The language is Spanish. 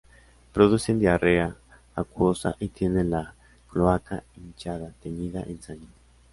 Producen diarrea acuosa y tienen la cloaca hinchada, teñida en sangre.